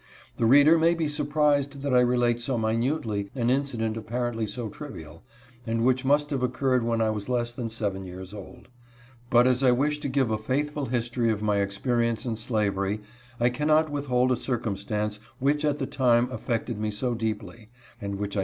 The reader may be surprised that I relate so minutely an incident apparently so trivial, and which must have y. occurred wnen 1 was less than seven_years old ; but, as I wish to give a faithful history of my experience in slav ery, I cannot withhold a circumstance which at the time affected me so deeply, and_which L.